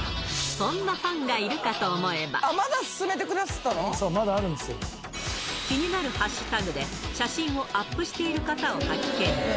そんなファンがいるかと思えば、気になる＃で写真をアップしている方を発見。